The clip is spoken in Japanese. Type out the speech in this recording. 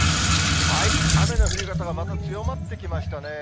雨の降り方がまた強まってきましたね。